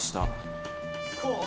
こう？